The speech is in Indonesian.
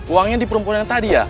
uangnya di perempuan yang tadi ya